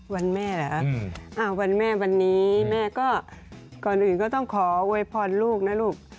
วันแม่เหรอวันแม่วันนี้แม่ก็ก่อนอื่นก็ต้องขอโวยพรลูกนะลูก